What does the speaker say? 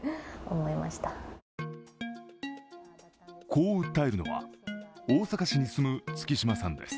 こう訴えるのは大阪市に住む月島さんです。